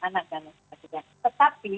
anak dan lain sebagainya tetapi